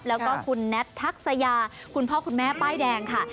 แล้วก็คุณแน็ตทักษยาคุณพ่อคุณแม่ป้ายแดงค่ะ